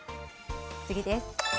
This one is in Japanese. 次です。